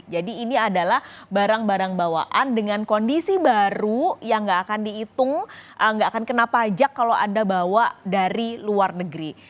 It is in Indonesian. jadi ini adalah barang barang bawaan dengan kondisi baru yang nggak akan dihitung nggak akan kena pajak kalau anda bawa dari luar negeri